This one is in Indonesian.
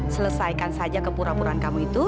selesaikan saja kepura puraan kamu itu